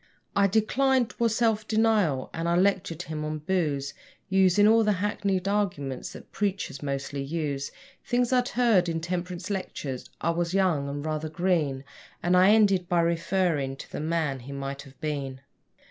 I declined 'TWAS self denial and I lectured him on booze, Using all the hackneyed arguments that preachers mostly use; Things I'd heard in temperance lectures (I was young and rather green), And I ended by referring to the man he might have been.